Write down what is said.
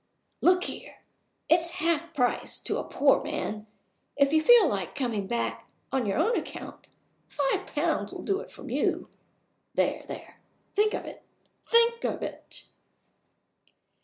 "Look here! It's half price to a poor man. If you feel like coming back, on your own account five pounds will do from you. There! there! Think of it! think of it!"